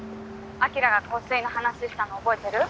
晶が香水の話したの覚えてる？